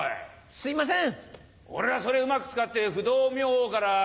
すいません！